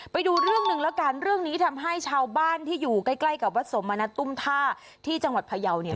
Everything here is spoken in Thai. ไปดูเรื่องหนึ่งแล้วกันเรื่องนี้ทำให้ชาวบ้านที่อยู่ใกล้ใกล้กับวัดสมณตุ้มท่าที่จังหวัดพยาวเนี่ย